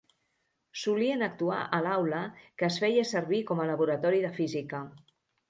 Solien actuar a l'aula que es feia servir com a laboratori de Física.